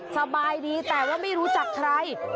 สบายดีแต่ว่าไม่รู้จักใคร